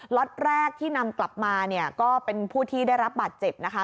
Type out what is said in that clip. ล็อตแรกที่นำกลับมาเนี่ยก็เป็นผู้ที่ได้รับบาดเจ็บนะคะ